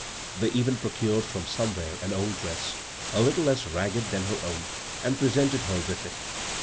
They even procured from somewhere an old dress, a litde less ragged than her own, and presented her with it.